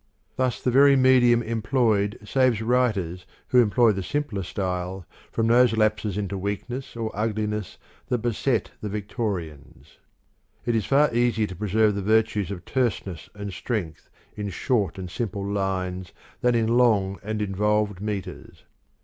Thus the very medium employed saves writers who employ the simpler style from those lapses into weakness or ugliness that beset the Victorians. It is far easier to preserve the virtues of terseness and strength in short and simple lines than in long and involved metres.